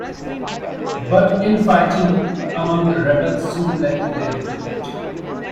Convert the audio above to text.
But in-fighting among the rebels soon led to their defeat.